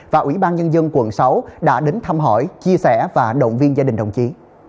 và ủy ban nhân dân quận sáu đã đến thăm hỏi chia sẻ và động viên gia đình đồng chí